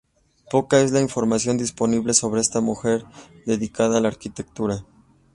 Poca es la información disponible sobre esta mujer dedicada a la arquitectura.